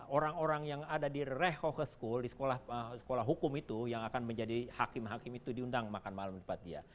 orang orang yang ada di rekoher school di sekolah hukum itu yang akan menjadi hakim hakim itu diundang makan malam di tempat dia